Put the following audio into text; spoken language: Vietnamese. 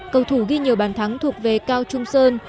cầu thủ ghi nhiều bàn thắng thuộc về cao trung sơn